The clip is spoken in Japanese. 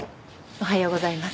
おはようございます。